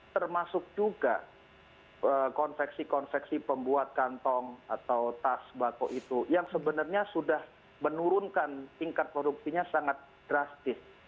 termasuk juga konveksi konveksi pembuat kantong atau tas bako itu yang sebenarnya sudah menurunkan tingkat produksinya sangat drastis